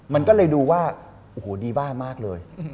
มันก็เลยดูว่าโอ้โหดีบ้ามากเลย